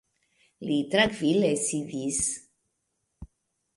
Li trankvile sidis.